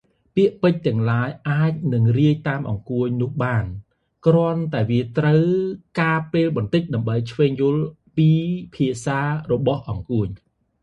ពាក្យពេចន៍ទាំងឡាយអាចនឹងរាយតាមអង្កួចនេះបាន គ្រាន់តែថាត្រូវការពេលបន្តិចដើម្បីឈ្វេងយល់ពីភាសារបស់អង្កួច។